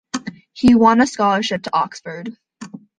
He won a scholarship to Oxford.